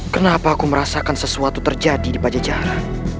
kenapa aku merasakan sesuatu terjadi di pajajaran